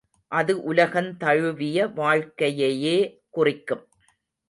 அது உலகந்தழுவிய வாழ்க்கையையே குறிக்கும்.